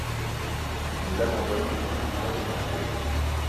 Il l'abandonne au bout du troisième épisode.